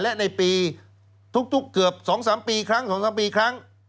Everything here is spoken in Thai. และในปีทุกเกือบ๒๓ปีครั้ง๒๓ปีครั้ง